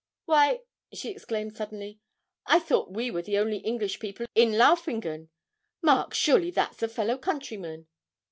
Why,' she exclaimed suddenly, 'I thought we were the only English people in Laufingen. Mark, surely that's a fellow countryman?'